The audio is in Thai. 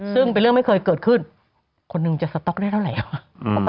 ซึ่งเป็นเรื่องไม่เคยเกิดขึ้นคนหนึ่งจะสต๊อกได้เท่าไหร่